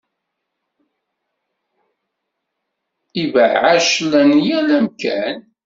Ibɛac llan yal amkan.